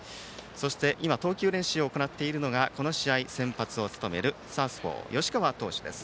投球練習を行っているのがこの試合先発を務めるサウスポー吉川投手です。